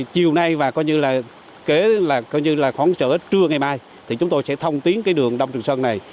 chiều nay và coi như là kế là khoảng trở hết trưa ngày mai thì chúng tôi sẽ thông tiến cái đường đông trường sơn này